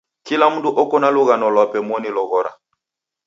Kila mndu oko na lughano lwape moni loghora.